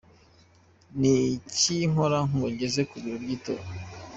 Ni iki nkora iyo ngeze ku biro by’itora?.